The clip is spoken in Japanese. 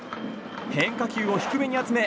変化球を低めに集め